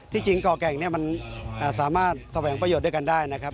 จริงก่อแก่งเนี่ยมันสามารถแสวงประโยชน์ด้วยกันได้นะครับ